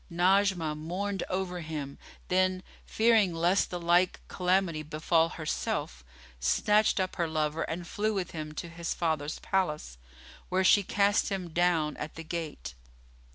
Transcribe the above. Najmah mourned over him; then, fearing lest the like calamity befal herself, snatched up her lover and flew with him to his father's palace, where she cast him down at the gate.